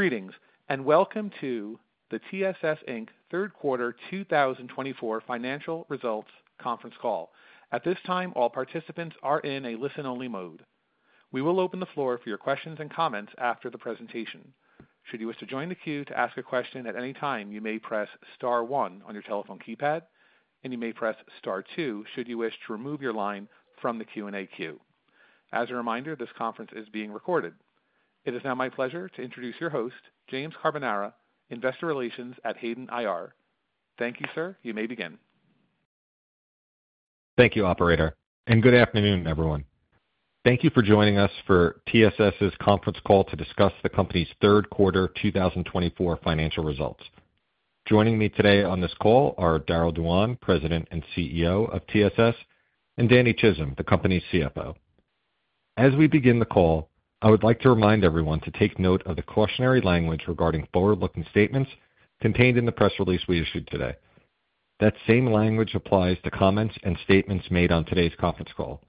Greetings, and welcome to the TSS Inc. Third Quarter 2024 Financial Results Conference Call. At this time, all participants are in a listen-only mode. We will open the floor for your questions and comments after the presentation. Should you wish to join the queue to ask a question at any time, you may press Star 1 on your telephone keypad, and you may press Star 2 should you wish to remove your line from the Q&A queue. As a reminder, this conference is being recorded. It is now my pleasure to introduce your host, James Carbonara, Investor Relations at Hayden IR. Thank you, sir. You may begin. Thank you, Operator, and good afternoon, everyone. Thank you for joining us for TSS's conference call to discuss the company's third quarter 2024 financial results. Joining me today on this call are Darryll Dewan, President and CEO of TSS, and Danny Chism, the company's CFO. As we begin the call, I would like to remind everyone to take note of the cautionary language regarding forward-looking statements contained in the press release we issued today. That same language applies to comments and statements made on today's conference call.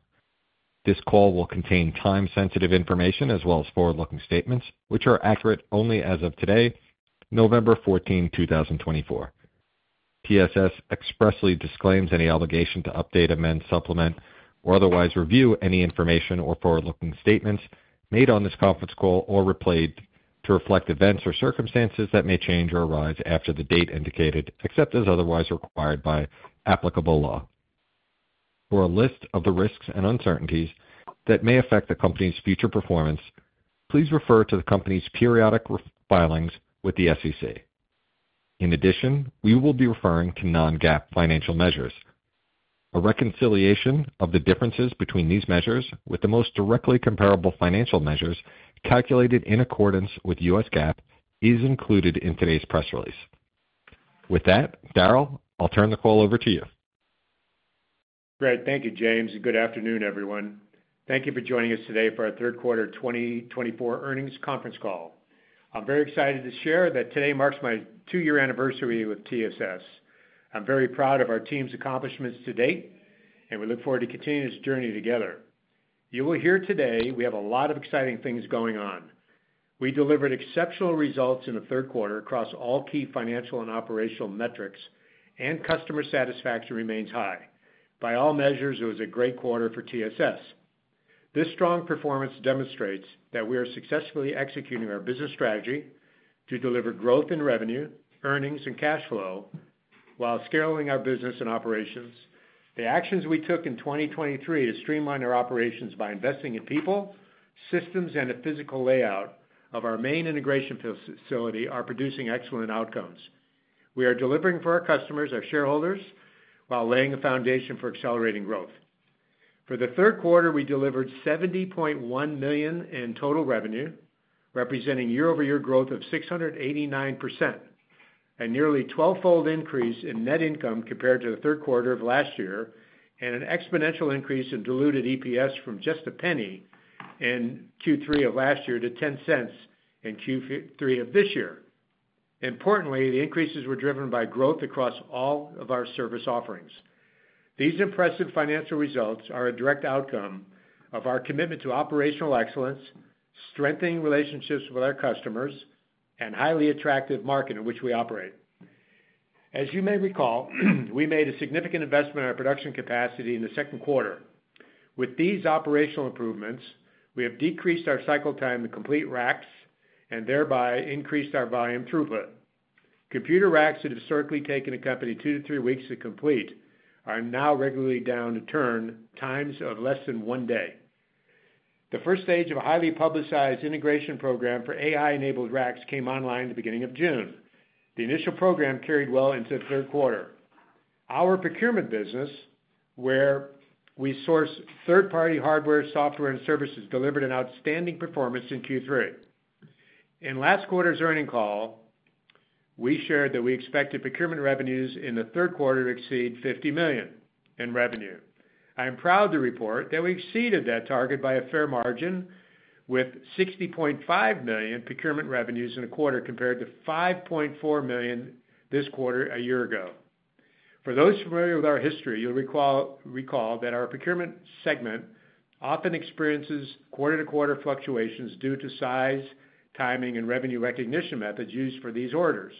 This call will contain time-sensitive information as well as forward-looking statements, which are accurate only as of today, November 14, 2024. TSS expressly disclaims any obligation to update, amend, supplement, or otherwise review any information or forward-looking statements made on this conference call or replayed to reflect events or circumstances that may change or arise after the date indicated, except as otherwise required by applicable law. For a list of the risks and uncertainties that may affect the company's future performance, please refer to the company's periodic filings with the SEC. In addition, we will be referring to non-GAAP financial measures. A reconciliation of the differences between these measures with the most directly comparable financial measures calculated in accordance with US GAAP is included in today's press release. With that, Darryll, I'll turn the call over to you. Great. Thank you, James, and good afternoon, everyone. Thank you for joining us today for our Third Quarter 2024 Earnings Conference Call. I'm very excited to share that today marks my two-year anniversary with TSS. I'm very proud of our team's accomplishments to date, and we look forward to continuing this journey together. You will hear today we have a lot of exciting things going on. We delivered exceptional results in the third quarter across all key financial and operational metrics, and customer satisfaction remains high. By all measures, it was a great quarter for TSS. This strong performance demonstrates that we are successfully executing our business strategy to deliver growth in revenue, earnings, and cash flow while scaling our business and operations. The actions we took in 2023 to streamline our operations by investing in people, systems, and a physical layout of our main integration facility are producing excellent outcomes. We are delivering for our customers, our shareholders, while laying the foundation for accelerating growth. For the third quarter, we delivered $70.1 million in total revenue, representing year-over-year growth of 689%, a nearly twelvefold increase in net income compared to the third quarter of last year, and an exponential increase in diluted EPS from just $0.01 in Q3 of last year to $0.10 in Q3 of this year. Importantly, the increases were driven by growth across all of our service offerings. These impressive financial results are a direct outcome of our commitment to operational excellence, strengthening relationships with our customers, and a highly attractive market in which we operate. As you may recall, we made a significant investment in our production capacity in the second quarter. With these operational improvements, we have decreased our cycle time to complete racks and thereby increased our volume throughput. Computer racks that historically take a company two to three weeks to complete are now regularly down to turn times of less than one day. The first stage of a highly publicized integration program for AI-enabled racks came online at the beginning of June. The initial program carried well into the third quarter. Our procurement business, where we source third-party hardware, software, and services, delivered an outstanding performance in Q3. In last quarter's earnings call, we shared that we expected procurement revenues in the third quarter to exceed $50 million in revenue. I am proud to report that we exceeded that target by a fair margin, with $60.5 million in procurement revenues in the quarter compared to $5.4 million this quarter a year ago. For those familiar with our history, you'll recall that our procurement segment often experiences quarter-to-quarter fluctuations due to size, timing, and revenue recognition methods used for these orders.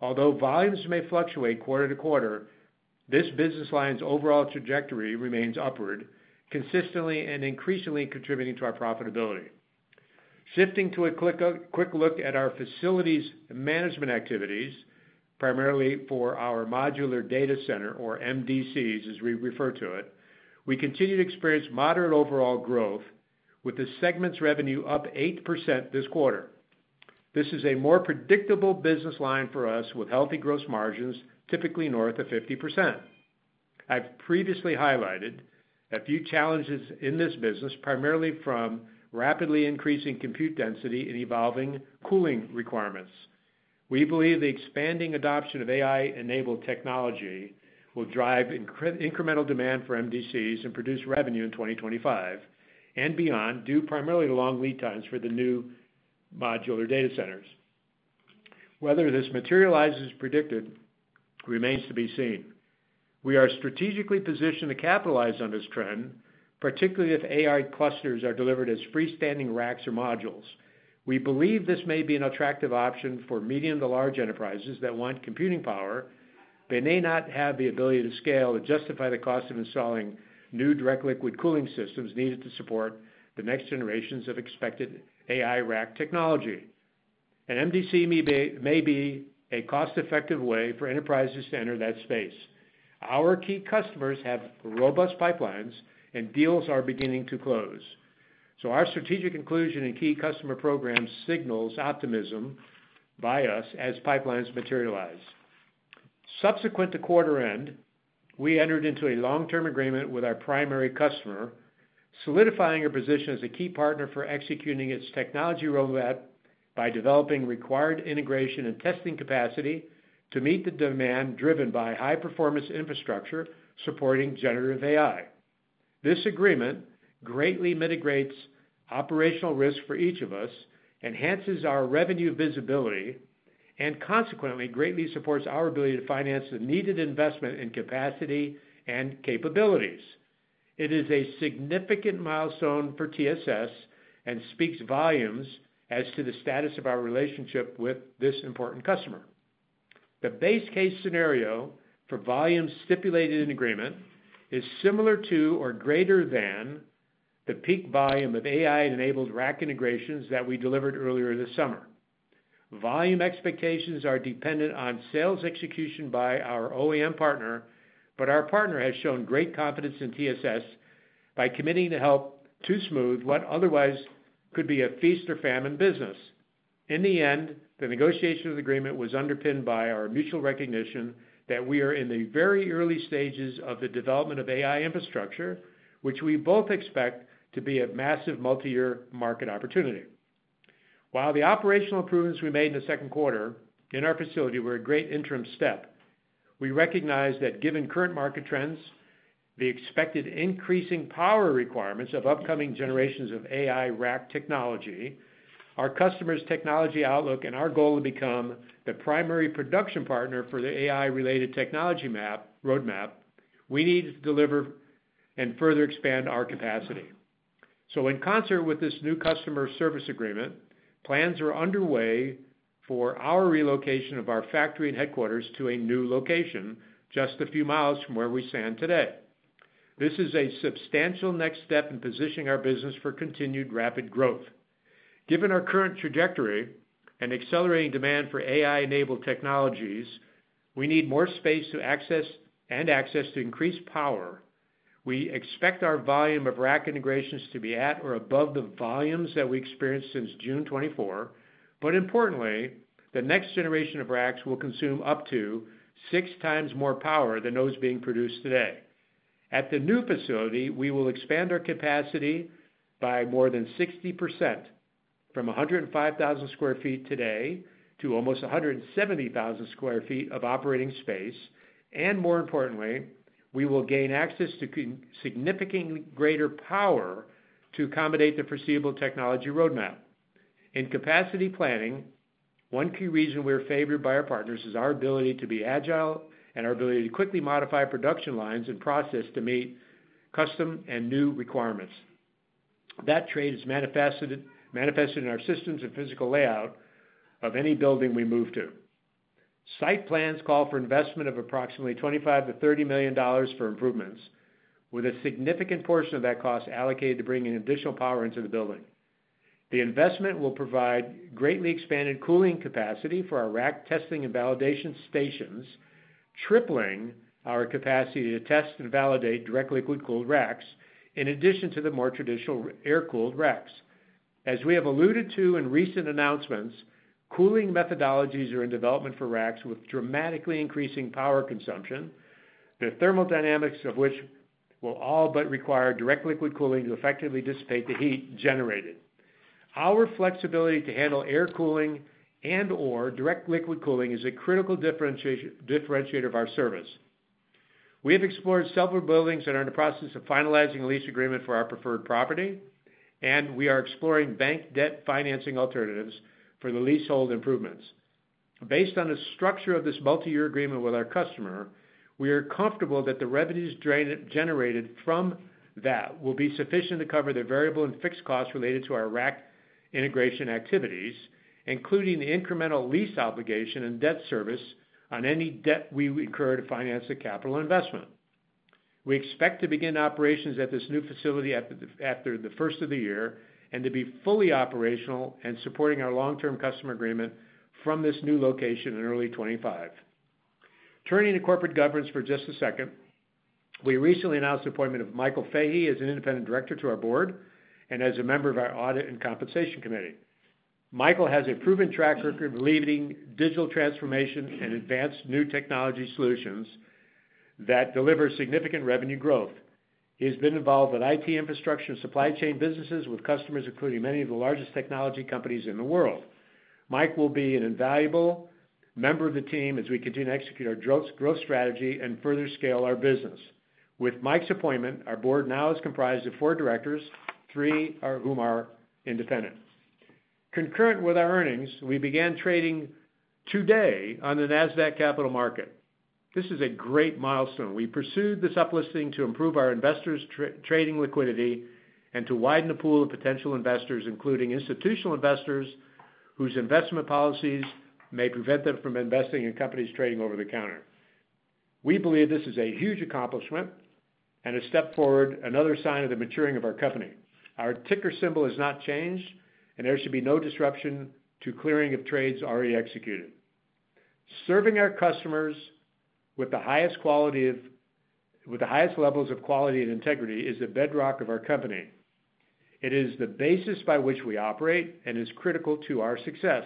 Although volumes may fluctuate quarter to quarter, this business line's overall trajectory remains upward, consistently and increasingly contributing to our profitability. Shifting to a quick look at our facilities management activities, primarily for our modular data center, or MDCs, as we refer to it, we continue to experience moderate overall growth, with the segment's revenue up 8% this quarter. This is a more predictable business line for us, with healthy gross margins typically north of 50%. I've previously highlighted a few challenges in this business, primarily from rapidly increasing compute density and evolving cooling requirements. We believe the expanding adoption of AI-enabled technology will drive incremental demand for MDCs and produce revenue in 2025 and beyond, due primarily to long lead times for the new modular data centers. Whether this materializes as predicted remains to be seen. We are strategically positioned to capitalize on this trend, particularly if AI clusters are delivered as freestanding racks or modules. We believe this may be an attractive option for medium to large enterprises that want computing power, but may not have the ability to scale to justify the cost of installing new direct liquid cooling systems needed to support the next generations of expected AI rack technology. An MDC may be a cost-effective way for enterprises to enter that space. Our key customers have robust pipelines, and deals are beginning to close. So our strategic inclusion in key customer programs signals optimism by us as pipelines materialize. Subsequent to quarter end, we entered into a long-term agreement with our primary customer, solidifying our position as a key partner for executing its technology roadmap by developing required integration and testing capacity to meet the demand driven by high-performance infrastructure supporting generative AI. This agreement greatly mitigates operational risk for each of us, enhances our revenue visibility, and consequently greatly supports our ability to finance the needed investment in capacity and capabilities. It is a significant milestone for TSS and speaks volumes as to the status of our relationship with this important customer. The base case scenario for volume stipulated in agreement is similar to or greater than the peak volume of AI-enabled rack integrations that we delivered earlier this summer. Volume expectations are dependent on sales execution by our OEM partner, but our partner has shown great confidence in TSS by committing to help to smooth what otherwise could be a feast or famine business. In the end, the negotiation of the agreement was underpinned by our mutual recognition that we are in the very early stages of the development of AI infrastructure, which we both expect to be a massive multi-year market opportunity. While the operational improvements we made in the second quarter in our facility were a great interim step, we recognize that given current market trends, the expected increasing power requirements of upcoming generations of AI rack technology, our customers' technology outlook, and our goal to become the primary production partner for the AI-related technology roadmap, we need to deliver and further expand our capacity. So in concert with this new customer service agreement, plans are underway for our relocation of our factory and headquarters to a new location just a few miles from where we stand today. This is a substantial next step in positioning our business for continued rapid growth. Given our current trajectory and accelerating demand for AI-enabled technologies, we need more space to access and to increase power. We expect our volume of rack integrations to be at or above the volumes that we experienced since June 24, but importantly, the next generation of racks will consume up to six times more power than those being produced today. At the new facility, we will expand our capacity by more than 60% from 105,000 sq ft today to almost 170,000 sq ft of operating space, and more importantly, we will gain access to significantly greater power to accommodate the foreseeable technology roadmap. In capacity planning, one key reason we are favored by our partners is our ability to be agile and our ability to quickly modify production lines and process to meet custom and new requirements. That trade is manifested in our systems and physical layout of any building we move to. Site plans call for investment of approximately $25-$30 million for improvements, with a significant portion of that cost allocated to bringing additional power into the building. The investment will provide greatly expanded cooling capacity for our rack testing and validation stations, tripling our capacity to test and validate direct liquid-cooled racks in addition to the more traditional air-cooled racks. As we have alluded to in recent announcements, cooling methodologies are in development for racks with dramatically increasing power consumption, the thermodynamics of which will all but require direct liquid cooling to effectively dissipate the heat generated. Our flexibility to handle air cooling and/or direct liquid cooling is a critical differentiator of our service. We have explored several buildings and are in the process of finalizing a lease agreement for our preferred property, and we are exploring bank debt financing alternatives for the leasehold improvements. Based on the structure of this multi-year agreement with our customer, we are comfortable that the revenues generated from that will be sufficient to cover the variable and fixed costs related to our rack integration activities, including the incremental lease obligation and debt service on any debt we incur to finance the capital investment. We expect to begin operations at this new facility after the first of the year and to be fully operational and supporting our long-term customer agreement from this new location in early 2025. Turning to corporate governance for just a second, we recently announced the appointment of Michael Fahey as an independent director to our board and as a member of our audit and compensation committee. Michael has a proven track record of leading digital transformation and advanced new technology solutions that deliver significant revenue growth. He has been involved in IT infrastructure and supply chain businesses with customers including many of the largest technology companies in the world. Mike will be an invaluable member of the team as we continue to execute our growth strategy and further scale our business. With Mike's appointment, our board now is comprised of four directors, three of whom are independent. Concurrent with our earnings, we began trading today on the Nasdaq Capital Market. This is a great milestone. We pursued this uplisting to improve our investors' trading liquidity and to widen the pool of potential investors, including institutional investors whose investment policies may prevent them from investing in companies trading over the counter. We believe this is a huge accomplishment and a step forward, another sign of the maturing of our company. Our ticker symbol has not changed, and there should be no disruption to clearing of trades already executed. Serving our customers with the highest levels of quality and integrity is the bedrock of our company. It is the basis by which we operate and is critical to our success.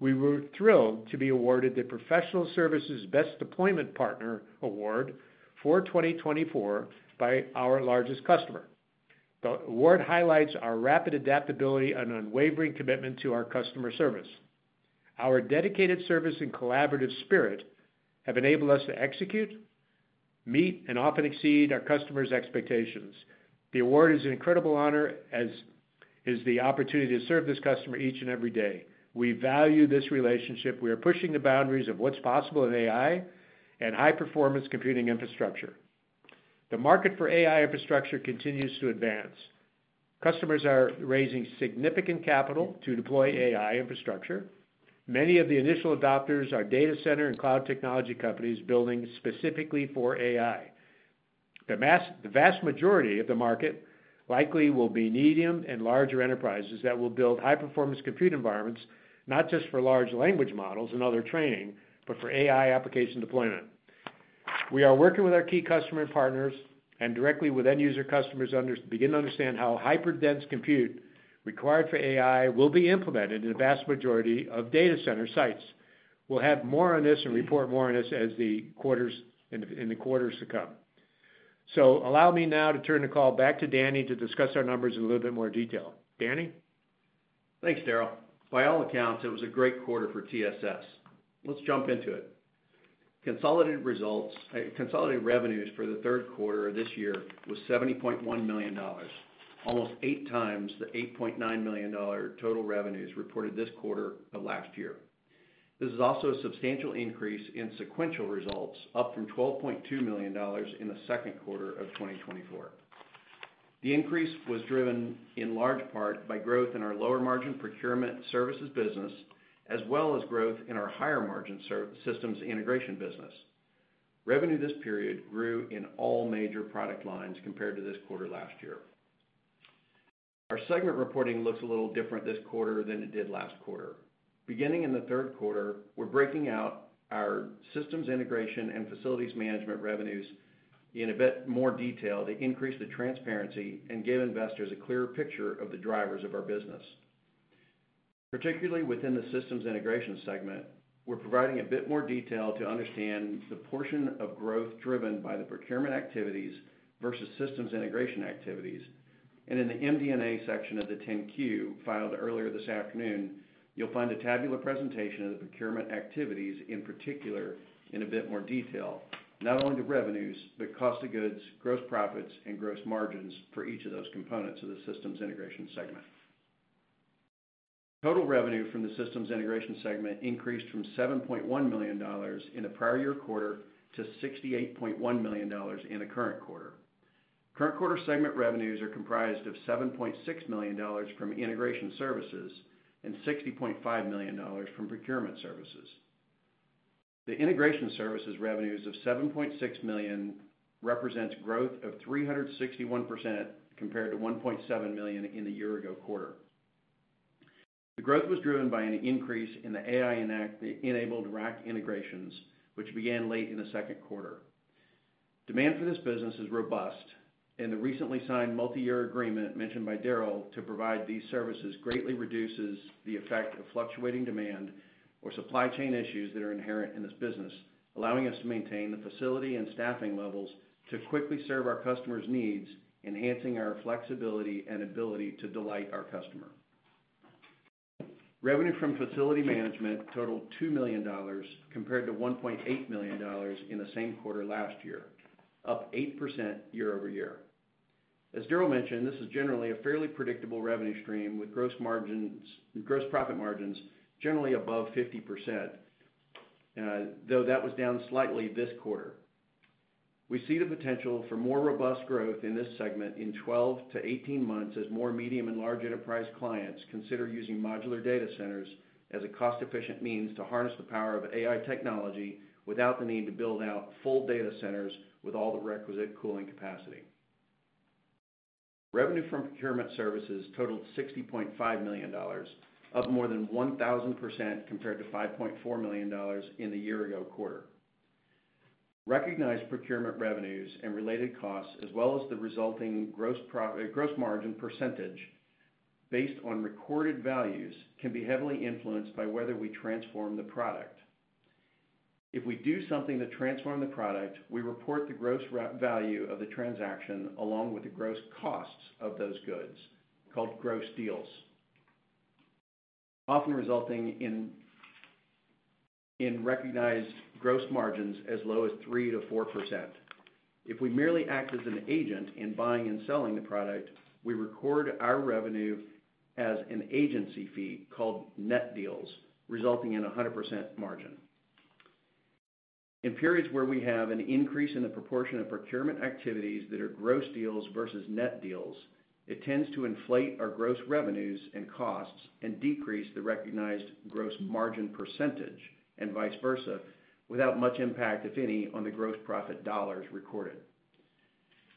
We were thrilled to be awarded the Professional Services Best Deployment Partner Award for 2024 by our largest customer. The award highlights our rapid adaptability and unwavering commitment to our customer service. Our dedicated service and collaborative spirit have enabled us to execute, meet, and often exceed our customers' expectations. The award is an incredible honor as is the opportunity to serve this customer each and every day. We value this relationship. We are pushing the boundaries of what's possible in AI and high-performance computing infrastructure. The market for AI infrastructure continues to advance. Customers are raising significant capital to deploy AI infrastructure. Many of the initial adopters are data center and cloud technology companies building specifically for AI. The vast majority of the market likely will be medium and larger enterprises that will build high-performance compute environments, not just for large language models and other training, but for AI application deployment. We are working with our key customer and partners and directly with end-user customers to begin to understand how hyper-dense compute required for AI will be implemented in the vast majority of data center sites. We'll have more on this and report more on this in the quarters to come. So allow me now to turn the call back to Danny to discuss our numbers in a little bit more detail. Danny? Thanks, Darryl. By all accounts, it was a great quarter for TSS. Let's jump into it. Consolidated revenues for the third quarter of this year was $70.1 million, almost eight times the $8.9 million total revenues reported this quarter of last year. This is also a substantial increase in sequential results, up from $12.2 million in the second quarter of 2024. The increase was driven in large part by growth in our lower-margin procurement services business, as well as growth in our higher-margin systems integration business. Revenue this period grew in all major product lines compared to this quarter last year. Our segment reporting looks a little different this quarter than it did last quarter. Beginning in the third quarter, we're breaking out our systems integration and facilities management revenues in a bit more detail to increase the transparency and give investors a clearer picture of the drivers of our business. Particularly within the systems integration segment, we're providing a bit more detail to understand the portion of growth driven by the procurement activities versus systems integration activities, and in the MD&A section of the 10-Q filed earlier this afternoon, you'll find a tabular presentation of the procurement activities in particular in a bit more detail, not only the revenues, but cost of goods, gross profits, and gross margins for each of those components of the systems integration segment. Total revenue from the systems integration segment increased from $7.1 million in the prior year quarter to $68.1 million in the current quarter. Current quarter segment revenues are comprised of $7.6 million from integration services and $60.5 million from procurement services. The integration services revenues of $7.6 million represent growth of 361% compared to $1.7 million in the year-ago quarter. The growth was driven by an increase in the AI-enabled rack integrations, which began late in the second quarter. Demand for this business is robust, and the recently signed multi-year agreement mentioned by Darryl to provide these services greatly reduces the effect of fluctuating demand or supply chain issues that are inherent in this business, allowing us to maintain the facility and staffing levels to quickly serve our customers' needs, enhancing our flexibility and ability to delight our customer. Revenue from facility management totaled $2 million compared to $1.8 million in the same quarter last year, up 8% year-over-year. As Darryl mentioned, this is generally a fairly predictable revenue stream with gross profit margins generally above 50%, though that was down slightly this quarter. We see the potential for more robust growth in this segment in 12-18 months as more medium and large enterprise clients consider using modular data centers as a cost-efficient means to harness the power of AI technology without the need to build out full data centers with all the requisite cooling capacity. Revenue from procurement services totaled $60.5 million, up more than 1,000% compared to $5.4 million in the year-ago quarter. Recognized procurement revenues and related costs, as well as the resulting gross margin percentage based on recorded values, can be heavily influenced by whether we transform the product. If we do something to transform the product, we report the gross value of the transaction along with the gross costs of those goods, called gross deals, often resulting in recognized gross margins as low as 3%-4%. If we merely act as an agent in buying and selling the product, we record our revenue as an agency fee called net deals, resulting in 100% margin. In periods where we have an increase in the proportion of procurement activities that are gross deals versus net deals, it tends to inflate our gross revenues and costs and decrease the recognized gross margin percentage and vice versa without much impact, if any, on the gross profit dollars recorded.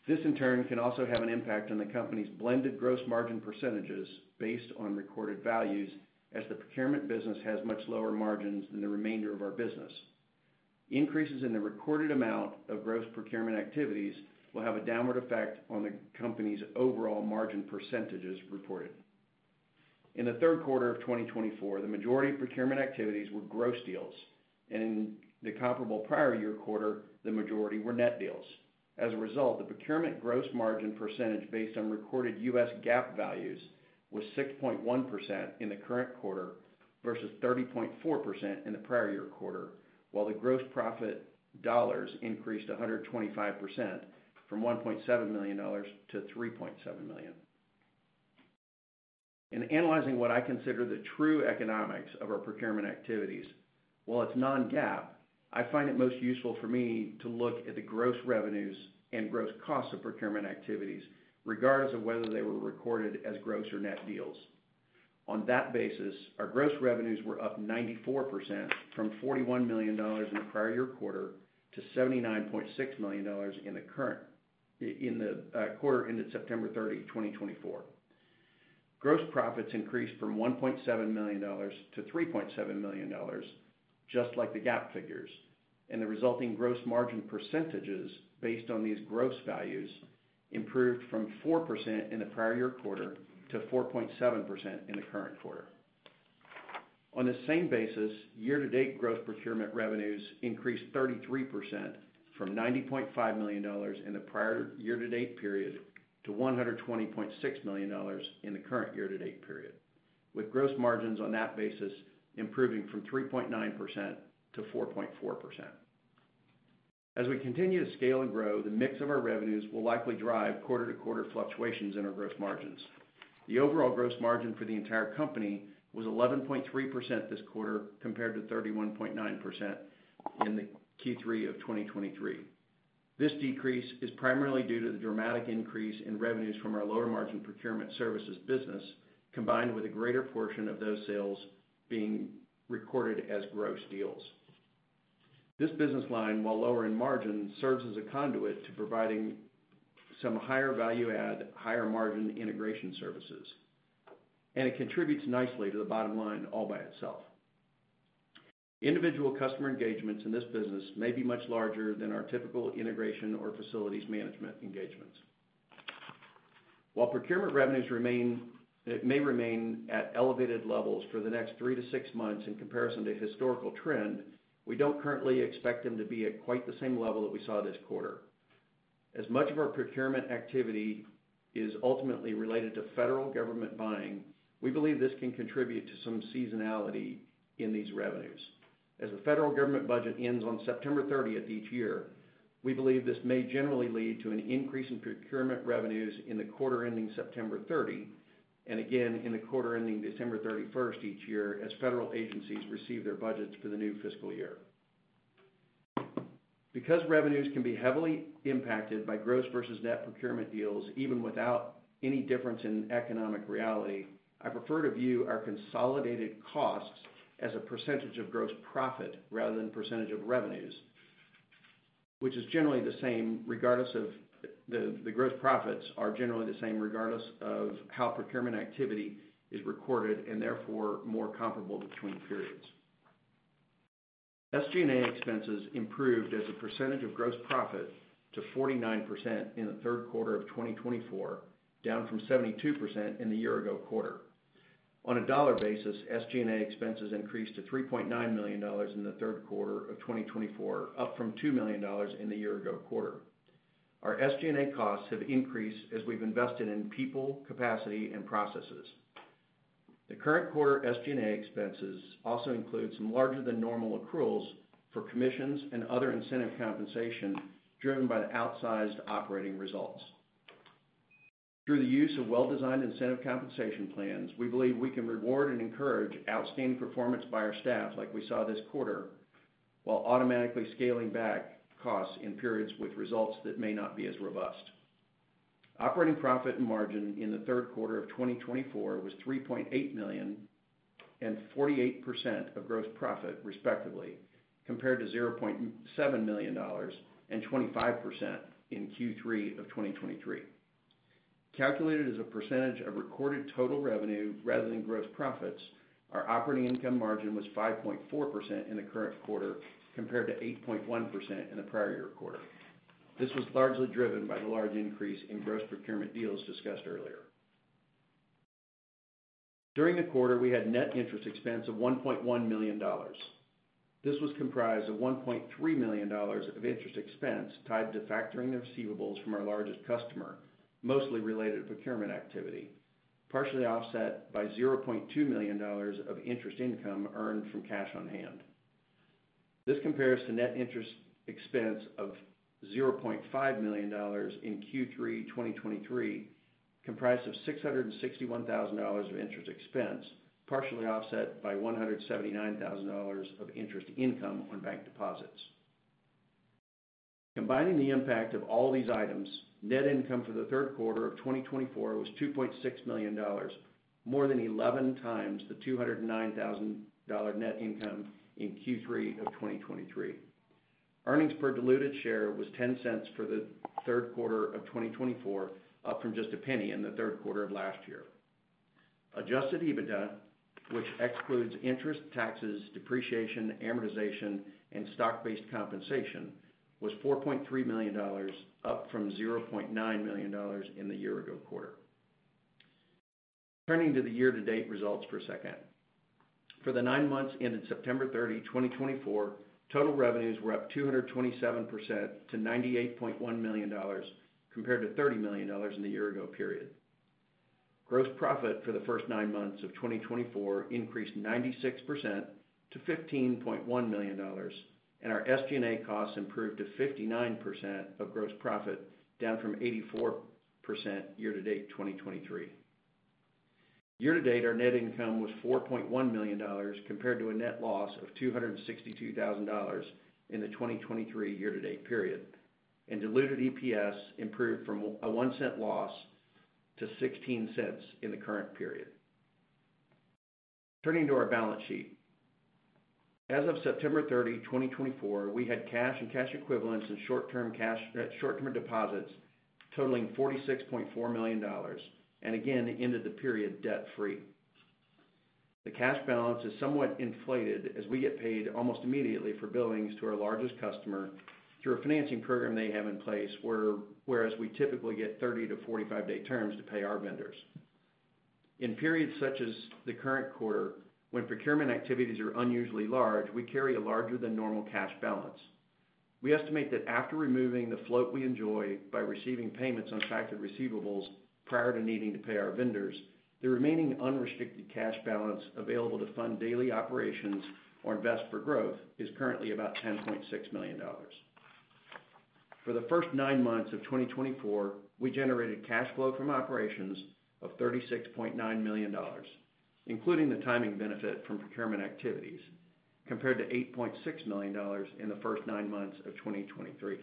This, in turn, can also have an impact on the company's blended gross margin percentages based on recorded values as the procurement business has much lower margins than the remainder of our business. Increases in the recorded amount of gross procurement activities will have a downward effect on the company's overall margin percentages reported. In the third quarter of 2024, the majority of procurement activities were gross deals, and in the comparable prior year quarter, the majority were net deals. As a result, the procurement gross margin percentage based on recorded US GAAP values was 6.1% in the current quarter versus 30.4% in the prior year quarter, while the gross profit dollars increased 125% from $1.7 million to $3.7 million. In analyzing what I consider the true economics of our procurement activities, while it's non-GAAP, I find it most useful for me to look at the gross revenues and gross costs of procurement activities, regardless of whether they were recorded as gross or net deals. On that basis, our gross revenues were up 94% from $41 million in the prior year quarter to $79.6 million in the quarter ended September 30, 2024. Gross profits increased from $1.7 million to $3.7 million, just like the GAAP figures, and the resulting gross margin percentages based on these gross values improved from 4% in the prior year quarter to 4.7% in the current quarter. On the same basis, year-to-date gross procurement revenues increased 33% from $90.5 million in the prior year-to-date period to $120.6 million in the current year-to-date period, with gross margins on that basis improving from 3.9% to 4.4%. As we continue to scale and grow, the mix of our revenues will likely drive quarter-to-quarter fluctuations in our gross margins. The overall gross margin for the entire company was 11.3% this quarter compared to 31.9% in the Q3 of 2023. This decrease is primarily due to the dramatic increase in revenues from our lower-margin procurement services business, combined with a greater portion of those sales being recorded as gross deals. This business line, while lower in margin, serves as a conduit to providing some higher value-add, higher-margin integration services, and it contributes nicely to the bottom line all by itself. Individual customer engagements in this business may be much larger than our typical integration or facilities management engagements. While procurement revenues may remain at elevated levels for the next three to six months in comparison to historical trend, we don't currently expect them to be at quite the same level that we saw this quarter. As much of our procurement activity is ultimately related to federal government buying, we believe this can contribute to some seasonality in these revenues. As the federal government budget ends on September 30th each year, we believe this may generally lead to an increase in procurement revenues in the quarter ending September 30, and again in the quarter ending December 31st each year as federal agencies receive their budgets for the new fiscal year. Because revenues can be heavily impacted by gross versus net procurement deals, even without any difference in economic reality, I prefer to view our consolidated costs as a percentage of gross profit rather than percentage of revenues, which is generally the same regardless of how procurement activity is recorded and therefore more comparable between periods. SG&A expenses improved as a percentage of gross profit to 49% in the third quarter of 2024, down from 72% in the year-ago quarter. On a dollar basis, SG&A expenses increased to $3.9 million in the third quarter of 2024, up from $2 million in the year-ago quarter. Our SG&A costs have increased as we've invested in people, capacity, and processes. The current quarter SG&A expenses also include some larger-than-normal accruals for commissions and other incentive compensation driven by the outsized operating results. Through the use of well-designed incentive compensation plans, we believe we can reward and encourage outstanding performance by our staff like we saw this quarter while automatically scaling back costs in periods with results that may not be as robust. Operating profit and margin in the third quarter of 2024 was $3.8 million and 48% of gross profit, respectively, compared to $0.7 million and 25% in Q3 of 2023. Calculated as a percentage of recorded total revenue rather than gross profits, our operating income margin was 5.4% in the current quarter compared to 8.1% in the prior year quarter. This was largely driven by the large increase in gross procurement deals discussed earlier. During the quarter, we had net interest expense of $1.1 million. This was comprised of $1.3 million of interest expense tied to factoring the receivables from our largest customer, mostly related to procurement activity, partially offset by $0.2 million of interest income earned from cash on hand. This compares to net interest expense of $0.5 million in Q3 2023, comprised of $661,000 of interest expense, partially offset by $179,000 of interest income on bank deposits. Combining the impact of all these items, net income for the third quarter of 2024 was $2.6 million, more than 11 times the $209,000 net income in Q3 of 2023. Earnings per diluted share was $0.10 for the third quarter of 2024, up from just $0.01 in the third quarter of last year. Adjusted EBITDA, which excludes interest, taxes, depreciation, amortization, and stock-based compensation, was $4.3 million, up from $0.9 million in the year-ago quarter. Turning to the year-to-date results for a second. For the nine months ended September 30, 2024, total revenues were up 227% to $98.1 million compared to $30 million in the year-ago period. Gross profit for the first nine months of 2024 increased 96% to $15.1 million, and our SG&A costs improved to 59% of gross profit, down from 84% year-to-date 2023. Year-to-date, our net income was $4.1 million compared to a net loss of $262,000 in the 2023 year-to-date period, and diluted EPS improved from a $0.01 loss to $0.16 in the current period. Turning to our balance sheet. As of September 30, 2024, we had cash and cash equivalents and short-term deposits totaling $46.4 million, and again ended the period debt-free. The cash balance is somewhat inflated as we get paid almost immediately for billings to our largest customer through a financing program they have in place, whereas we typically get 30 to 45-day terms to pay our vendors. In periods such as the current quarter, when procurement activities are unusually large, we carry a larger-than-normal cash balance. We estimate that after removing the float we enjoy by receiving payments on factored receivables prior to needing to pay our vendors, the remaining unrestricted cash balance available to fund daily operations or invest for growth is currently about $10.6 million. For the first nine months of 2024, we generated cash flow from operations of $36.9 million, including the timing benefit from procurement activities, compared to $8.6 million in the first nine months of 2023.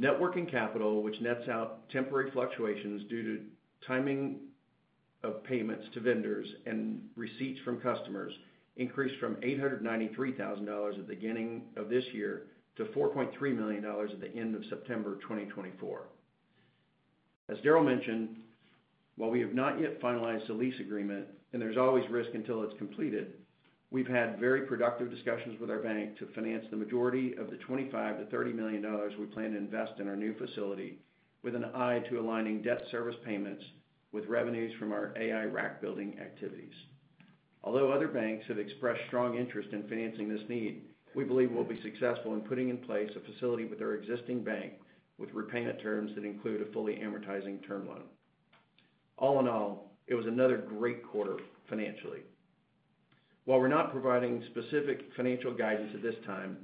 Net working capital, which nets out temporary fluctuations due to timing of payments to vendors and receipts from customers, increased from $893,000 at the beginning of this year to $4.3 million at the end of September 2024. As Darryl mentioned, while we have not yet finalized the lease agreement, and there's always risk until it's completed, we've had very productive discussions with our bank to finance the majority of the $25-$30 million we plan to invest in our new facility, with an eye to aligning debt service payments with revenues from our AI rack building activities. Although other banks have expressed strong interest in financing this need, we believe we'll be successful in putting in place a facility with our existing bank with repayment terms that include a fully amortizing term loan. All in all, it was another great quarter financially. While we're not providing specific financial guidance at this time,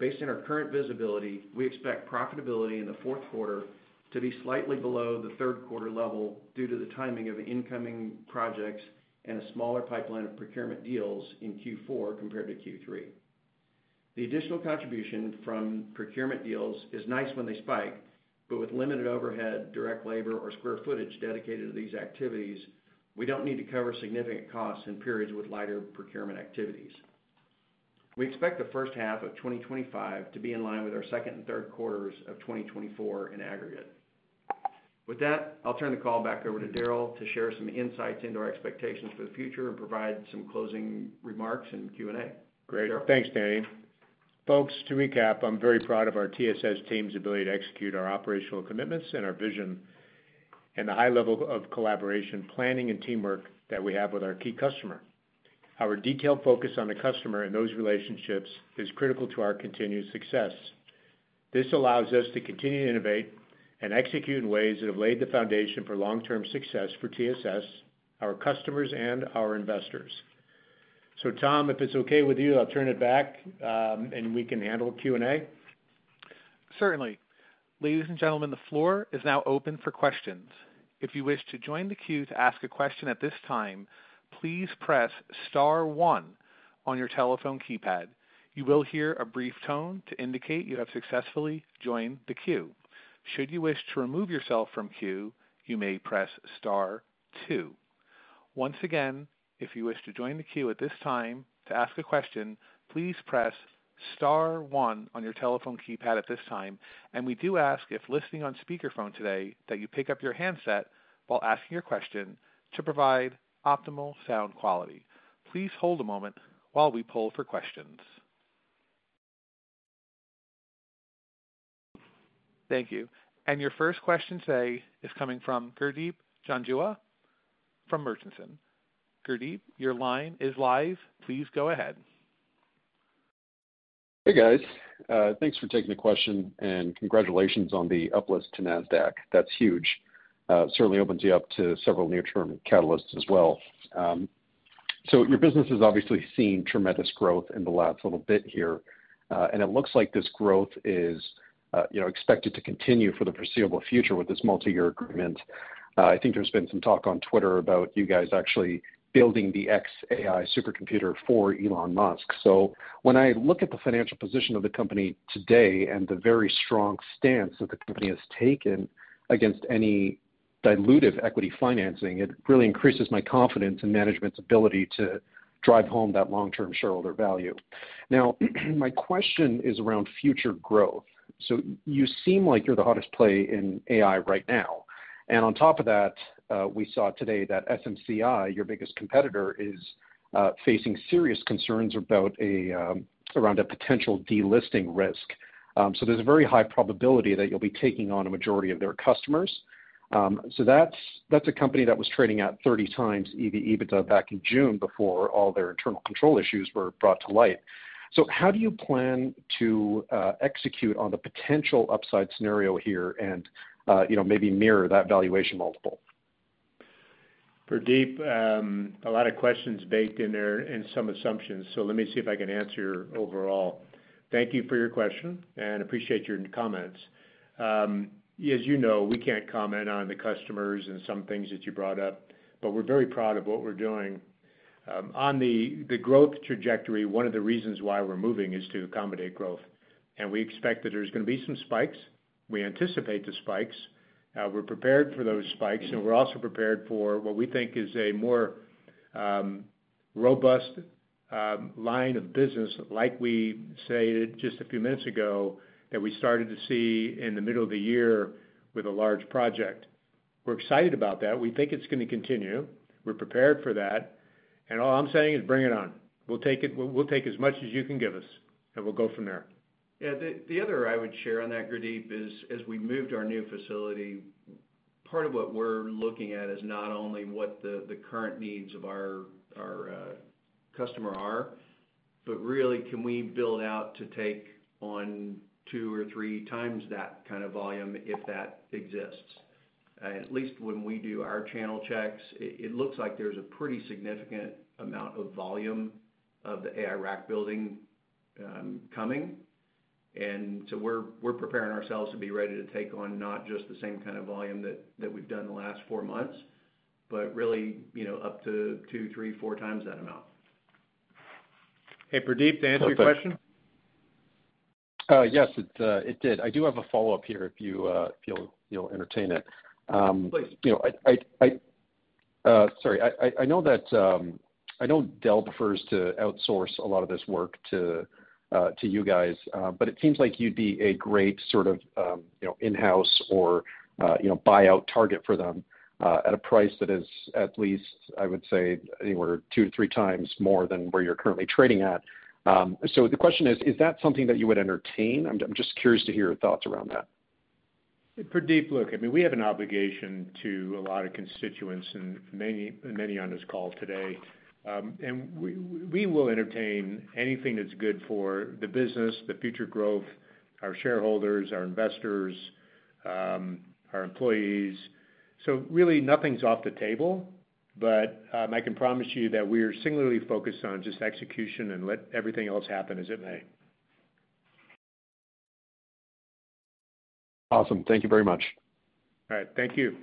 based on our current visibility, we expect profitability in the fourth quarter to be slightly below the third quarter level due to the timing of incoming projects and a smaller pipeline of procurement deals in Q4 compared to Q3. The additional contribution from procurement deals is nice when they spike, but with limited overhead, direct labor, or square footage dedicated to these activities, we don't need to cover significant costs in periods with lighter procurement activities. We expect the first half of 2025 to be in line with our second and third quarters of 2024 in aggregate. With that, I'll turn the call back over to Darryl to share some insights into our expectations for the future and provide some closing remarks and Q&A. Great. Thanks, Danny. Folks, to recap, I'm very proud of our TSS team's ability to execute our operational commitments and our vision and the high level of collaboration, planning, and teamwork that we have with our key customer. Our detailed focus on the customer and those relationships is critical to our continued success. This allows us to continue to innovate and execute in ways that have laid the foundation for long-term success for TSS, our customers, and our investors. So, Tom, if it's okay with you, I'll turn it back and we can handle Q&A. Certainly. Ladies and gentlemen, the floor is now open for questions. If you wish to join the queue to ask a question at this time, please press Star 1 on your telephone keypad. You will hear a brief tone to indicate you have successfully joined the queue. Should you wish to remove yourself from queue, you may press Star 2. Once again, if you wish to join the queue at this time to ask a question, please press Star 1 on your telephone keypad at this time. And we do ask, if listening on speakerphone today, that you pick up your handset while asking your question to provide optimal sound quality. Please hold a moment while we poll for questions. Thank you. And your first question today is coming from Gurdeep Janjua from Murchinson. Gurdeep, your line is live. Please go ahead. Hey, guys. Thanks for taking the question and congratulations on the uplift to NASDAQ. That's huge. Certainly opens you up to several near-term catalysts as well. So your business has obviously seen tremendous growth in the last little bit here, and it looks like this growth is expected to continue for the foreseeable future with this multi-year agreement. I think there's been some talk on Twitter about you guys actually building the xAI supercomputer for Elon Musk. So when I look at the financial position of the company today and the very strong stance that the company has taken against any dilutive equity financing, it really increases my confidence in management's ability to drive home that long-term shareholder value. Now, my question is around future growth. So you seem like you're the hottest play in AI right now. And on top of that, we saw today that SMCI, your biggest competitor, is facing serious concerns around a potential delisting risk. So there's a very high probability that you'll be taking on a majority of their customers. So that's a company that was trading at 30 times EV/EBITDA back in June before all their internal control issues were brought to light. So how do you plan to execute on the potential upside scenario here and maybe mirror that valuation multiple? Gurdeep, a lot of questions baked in there and some assumptions. So let me see if I can answer overall. Thank you for your question and appreciate your comments. As you know, we can't comment on the customers and some things that you brought up, but we're very proud of what we're doing. On the growth trajectory, one of the reasons why we're moving is to accommodate growth. And we expect that there's going to be some spikes. We anticipate the spikes. We're prepared for those spikes, and we're also prepared for what we think is a more robust line of business, like we said just a few minutes ago that we started to see in the middle of the year with a large project. We're excited about that. We think it's going to continue. We're prepared for that. And all I'm saying is bring it on. We'll take as much as you can give us, and we'll go from there. Yeah. The other I would share on that, Gurdeep, is as we moved our new facility, part of what we're looking at is not only what the current needs of our customer are, but really, can we build out to take on two or three times that kind of volume if that exists? At least when we do our channel checks, it looks like there's a pretty significant amount of volume of the AI rack building coming, and so we're preparing ourselves to be ready to take on not just the same kind of volume that we've done the last four months, but really up to two, three, four times that amount. Hey, Gurdeep, to answer your question. Yes, it did. I do have a follow-up here if you'll entertain it. Please. Sorry. I know Dell prefers to outsource a lot of this work to you guys, but it seems like you'd be a great sort of in-house or buyout target for them at a price that is at least, I would say, anywhere two-to-three times more than where you're currently trading at. So the question is, is that something that you would entertain? I'm just curious to hear your thoughts around that. Gurdeep, look, I mean, we have an obligation to a lot of constituents and many on this call today. And we will entertain anything that's good for the business, the future growth, our shareholders, our investors, our employees. So really, nothing's off the table, but I can promise you that we are singularly focused on just execution and let everything else happen as it may. Awesome. Thank you very much. All right. Thank you.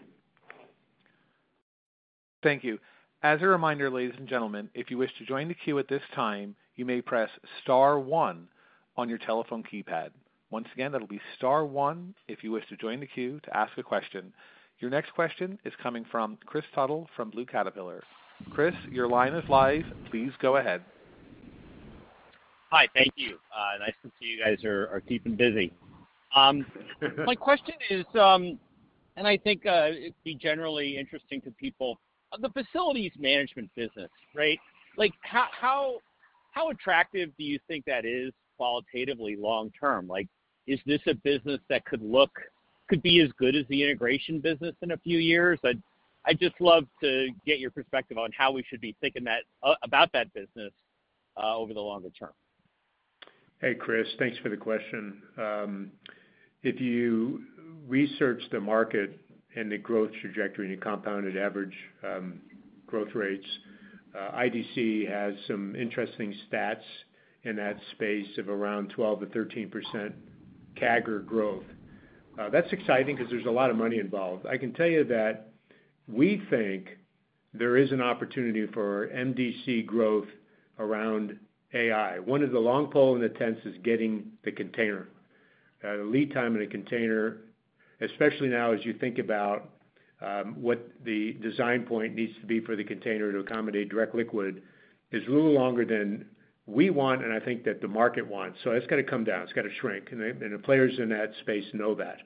Thank you. As a reminder, ladies and gentlemen, if you wish to join the queue at this time, you may press Star 1 on your telephone keypad. Once again, that'll be Star 1 if you wish to join the queue to ask a question. Your next question is coming from Kris Tuttle from Blue Caterpillar. Kris, your line is live. Please go ahead. Hi. Thank you. Nice to see you guys are keeping busy. My question is, and I think it'd be generally interesting to people, the facilities management business, right? How attractive do you think that is qualitatively long-term? Is this a business that could be as good as the integration business in a few years? I'd just love to get your perspective on how we should be thinking about that business over the longer term. Hey, Kris, thanks for the question. If you research the market and the growth trajectory and you compounded average growth rates, IDC has some interesting stats in that space of around 12%-13% CAGR growth. That's exciting because there's a lot of money involved. I can tell you that we think there is an opportunity for MDC growth around AI. One of the long poles in the tents is getting the container. Lead time in a container, especially now as you think about what the design point needs to be for the container to accommodate direct liquid cooling, is a little longer than we want and I think that the market wants. So it's got to come down. It's got to shrink. And the players in that space know that.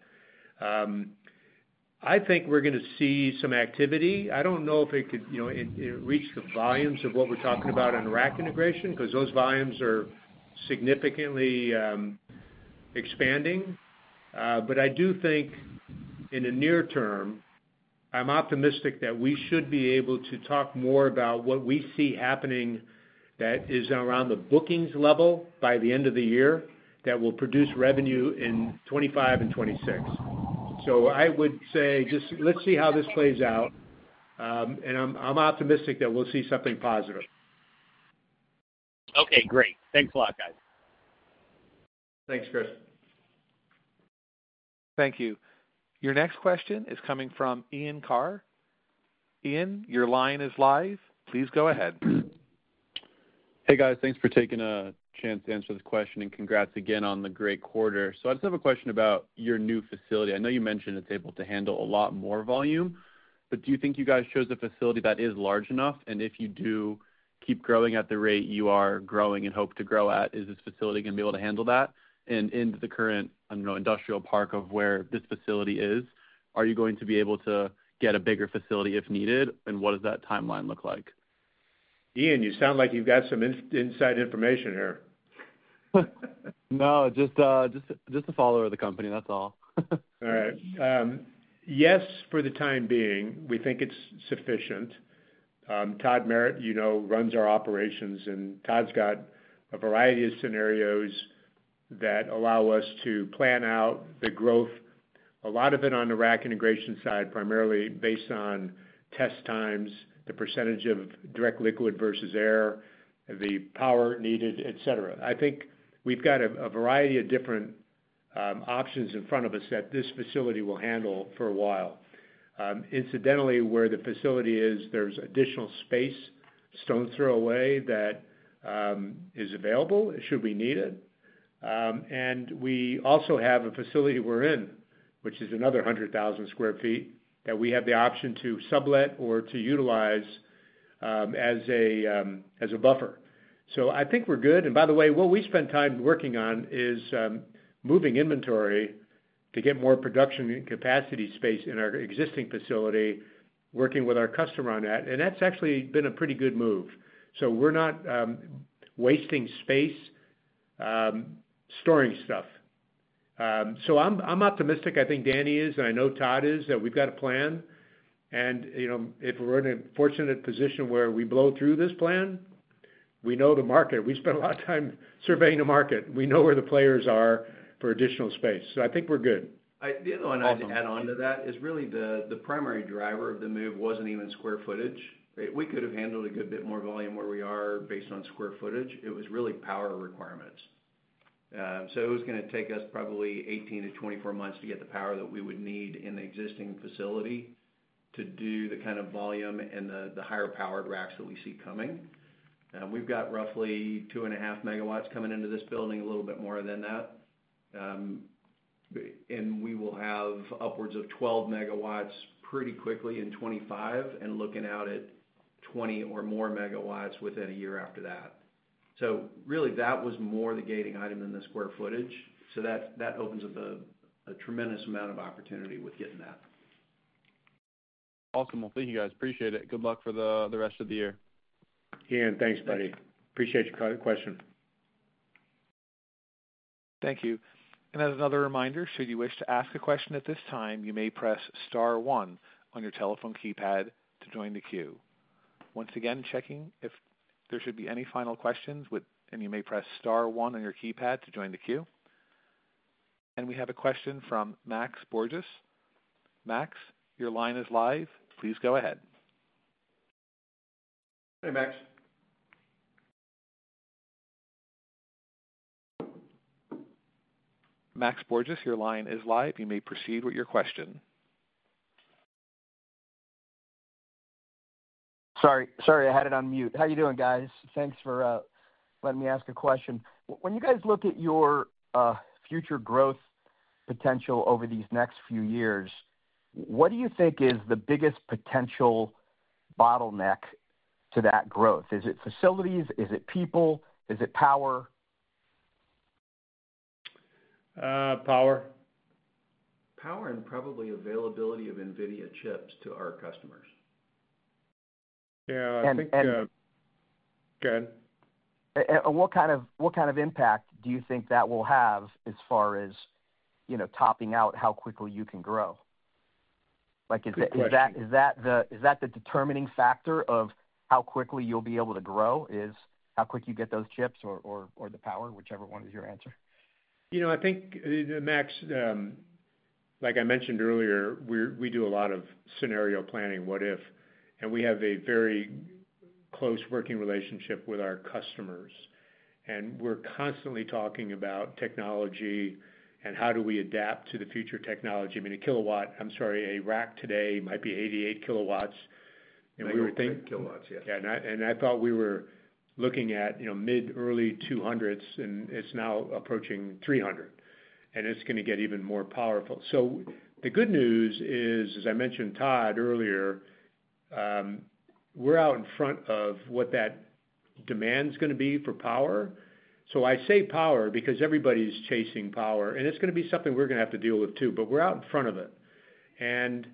I think we're going to see some activity. I don't know if it could reach the volumes of what we're talking about on rack integration because those volumes are significantly expanding. But I do think in the near term, I'm optimistic that we should be able to talk more about what we see happening that is around the bookings level by the end of the year that will produce revenue in 2025 and 2026. So I would say just let's see how this plays out. And I'm optimistic that we'll see something positive. Okay. Great. Thanks a lot, guys. Thanks, Kris. Thank you. Your next question is coming from Ian Carr. Ian, your line is live. Please go ahead. Hey, guys. Thanks for taking a chance to answer this question and congrats again on the great quarter. So I just have a question about your new facility. I know you mentioned it's able to handle a lot more volume, but do you think you guys chose a facility that is large enough? And if you do keep growing at the rate you are growing and hope to grow at, is this facility going to be able to handle that? And in the current industrial park of where this facility is, are you going to be able to get a bigger facility if needed? And what does that timeline look like? Ian, you sound like you've got some inside information here. No, just a follower of the company. That's all. All right. Yes, for the time being, we think it's sufficient. Todd Merritt, you know, runs our operations, and Todd's got a variety of scenarios that allow us to plan out the growth, a lot of it on the rack integration side, primarily based on test times, the percentage of direct liquid versus air, the power needed, etc. I think we've got a variety of different options in front of us that this facility will handle for a while. Incidentally, where the facility is, there's additional space stone's throw away that is available should we need it, and we also have a facility we're in, which is another 100,000 sq ft that we have the option to sublet or to utilize as a buffer, so I think we're good. And by the way, what we spend time working on is moving inventory to get more production capacity space in our existing facility, working with our customer on that. And that's actually been a pretty good move. So we're not wasting space storing stuff. So I'm optimistic. I think Danny is, and I know Todd is, that we've got a plan. And if we're in a fortunate position where we blow through this plan, we know the market. We spent a lot of time surveying the market. We know where the players are for additional space. So I think we're good. The other one I'd add on to that is really the primary driver of the move wasn't even square footage. We could have handled a good bit more volume where we are based on square footage. It was really power requirements. So it was going to take us probably 18-24 months to get the power that we would need in the existing facility to do the kind of volume and the higher powered racks that we see coming. We've got roughly two and a half megawatts coming into this building, a little bit more than that. And we will have upwards of 12 megawatts pretty quickly in 2025 and looking out at 20 or more megawatts within a year after that. So really, that was more the gating item than the square footage. So that opens up a tremendous amount of opportunity with getting that. Awesome. Well, thank you guys. Appreciate it. Good luck for the rest of the year. Ian, thanks, buddy. Appreciate your question. Thank you. And as another reminder, should you wish to ask a question at this time, you may press Star 1 on your telephone keypad to join the queue. Once again, checking if there should be any final questions, and you may press Star 1 on your keypad to join the queue. And we have a question from Max Borges. Max, your line is live. Please go ahead. Hey, Max. Max Borges, your line is live. You may proceed with your question. Sorry. Sorry. I had it on mute. How are you doing, guys? Thanks for letting me ask a question. When you guys look at your future growth potential over these next few years, what do you think is the biggest potential bottleneck to that growth? Is it facilities? Is it people? Is it power? Power. Power and probably availability of NVIDIA chips to our customers. Yeah. And. And. Go ahead. What kind of impact do you think that will have as far as topping out how quickly you can grow? Is that the determining factor of how quickly you'll be able to grow is how quick you get those chips or the power, whichever one is your answer? I think, Max, like I mentioned earlier, we do a lot of scenario planning, what if, and we have a very close working relationship with our customers. And we're constantly talking about technology and how do we adapt to the future technology. I mean, a kilowatt, I'm sorry, a rack today might be 88 kilowatts. And we were thinking. 88 kilowatts, yes. Yeah. And I thought we were looking at mid-early 200s, and it's now approaching 300. And it's going to get even more powerful. So the good news is, as I mentioned to Todd earlier, we're out in front of what that demand's going to be for power. So I say power because everybody's chasing power. And it's going to be something we're going to have to deal with too, but we're out in front of it. And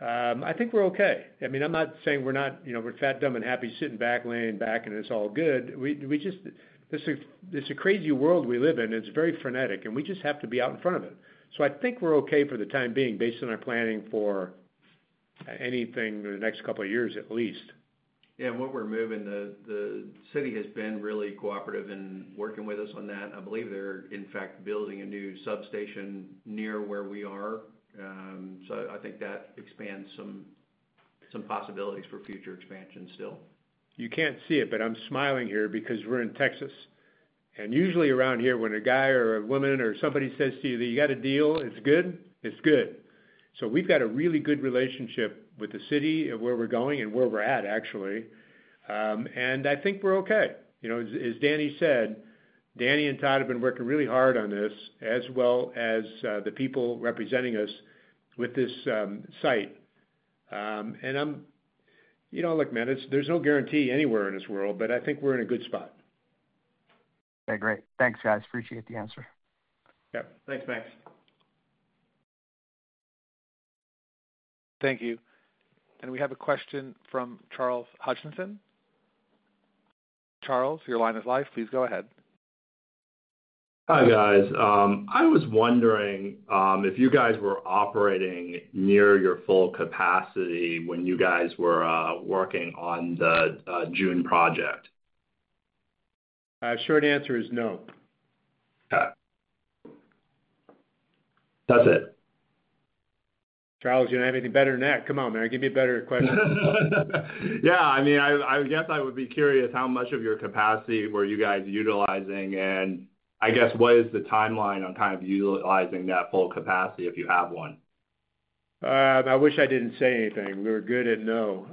I think we're okay. I mean, I'm not saying we're not, we're fat dumb and happy sitting back laying back, and it's all good. It's a crazy world we live in. It's very frenetic, and we just have to be out in front of it. So I think we're okay for the time being based on our planning for anything in the next couple of years at least. Yeah. And what we're moving, the city has been really cooperative in working with us on that. I believe they're, in fact, building a new substation near where we are. So I think that expands some possibilities for future expansion still. You can't see it, but I'm smiling here because we're in Texas. And usually around here, when a guy or a woman or somebody says to you that you got a deal, it's good. It's good. So we've got a really good relationship with the city of where we're going and where we're at, actually. And I think we're okay. As Danny said, Danny and Todd have been working really hard on this as well as the people representing us with this site. And look, man, there's no guarantee anywhere in this world, but I think we're in a good spot. Okay. Great. Thanks, guys. Appreciate the answer. Yep. Thanks, Max. Thank you. And we have a question from Charles Hutchinson. Charles, your line is live. Please go ahead. Hi, guys. I was wondering if you guys were operating near your full capacity when you guys were working on the June project. Short answer is no. Okay. That's it. Charles, you don't have anything better than that? Come on, man. Give me a better question. Yeah. I mean, I guess I would be curious how much of your capacity were you guys utilizing, and I guess what is the timeline on kind of utilizing that full capacity if you have one? I wish I didn't say anything. We're good at no.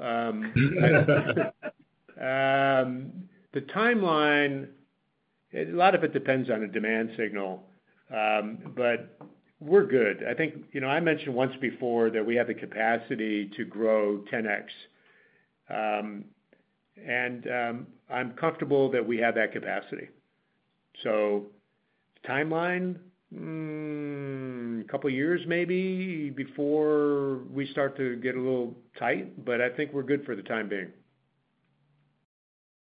The timeline, a lot of it depends on a demand signal, but we're good. I think I mentioned once before that we have the capacity to grow 10x, and I'm comfortable that we have that capacity. So timeline, a couple of years maybe before we start to get a little tight, but I think we're good for the time being.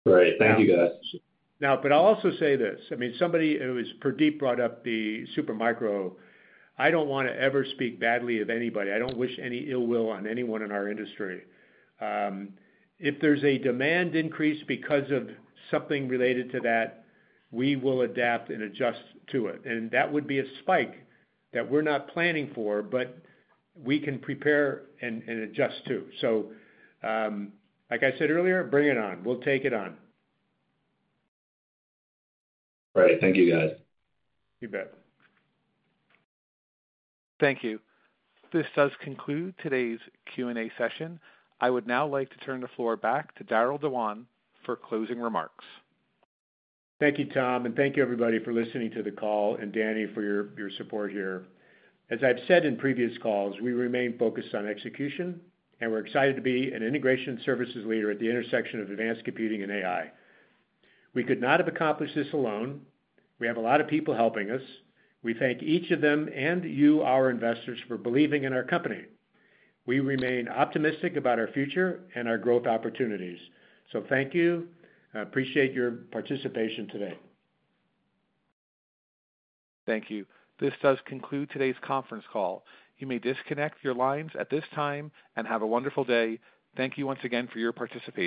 Great. Thank you, guys. Now, but I'll also say this. I mean, somebody who is Gurdeep brought up the Supermicro. I don't want to ever speak badly of anybody. I don't wish any ill will on anyone in our industry. If there's a demand increase because of something related to that, we will adapt and adjust to it. And that would be a spike that we're not planning for, but we can prepare and adjust to. So like I said earlier, bring it on. We'll take it on. All right. Thank you, guys. You bet. Thank you. This does conclude today's Q&A session. I would now like to turn the floor back to Darryll Dewan for closing remarks. Thank you, Tom. And thank you, everybody, for listening to the call and Danny for your support here. As I've said in previous calls, we remain focused on execution, and we're excited to be an integration services leader at the intersection of advanced computing and AI. We could not have accomplished this alone. We have a lot of people helping us. We thank each of them and you, our investors, for believing in our company. We remain optimistic about our future and our growth opportunities. So thank you. Appreciate your participation today. Thank you. This does conclude today's conference call. You may disconnect your lines at this time and have a wonderful day. Thank you once again for your participation.